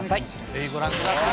ぜひご覧ください。